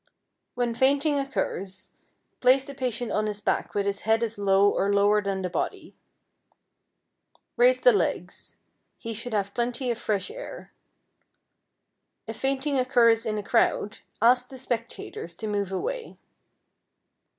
When fainting occurs, place the patient on his back with his head as low or lower than the body. Raise the legs. He should have plenty of fresh air. If fainting occurs in a crowd, ask the spectators to move away.